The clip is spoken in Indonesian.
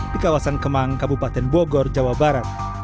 di kawasan kemang kabupaten bogor jawa barat